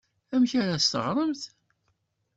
Amek ara as-teɣremt?